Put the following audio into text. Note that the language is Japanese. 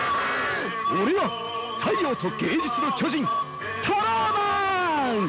俺は太陽と芸術の巨人タローマン！